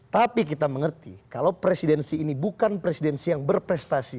tapi kita mengerti kalau presidensi ini bukan presidensi yang berprestasi